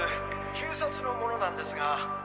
警察の者なんですが。